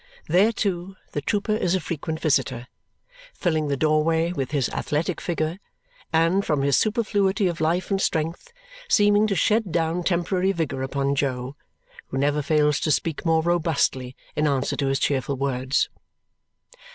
There, too, the trooper is a frequent visitor, filling the doorway with his athletic figure and, from his superfluity of life and strength, seeming to shed down temporary vigour upon Jo, who never fails to speak more robustly in answer to his cheerful words.